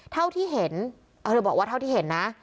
เท่าที่เห็นเธอบอกว่าเท่าที่เห็นนะ